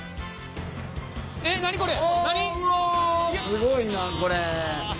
すごいなこれ。